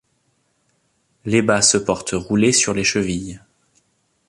Les bas se portent roulés sur les chevilles.